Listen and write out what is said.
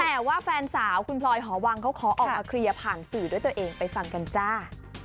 แต่ว่าแฟนสาวคุณพลอยหอวังเขาขอออกมาเคลียร์ผ่านสื่อด้วยตัวเองไปฟังกันจ้า